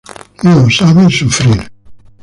No sabe sufrir".